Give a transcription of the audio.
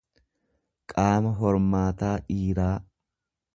qaama hormaataa dhiiraa.